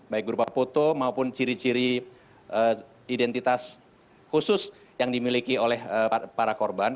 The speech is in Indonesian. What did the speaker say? baik berupa foto maupun ciri ciri identitas khusus yang dimiliki oleh para korban